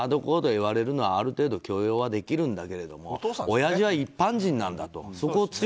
言われるのはある程度許容はできるんだけどおやじは一般人なんだと。